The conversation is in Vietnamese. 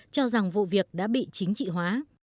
cho rằng vụ việc đã bị chính trị hóa